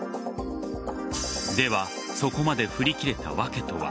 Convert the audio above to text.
では、そこまで振り切れた訳とは。